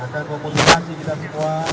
dan komunikasi kita semua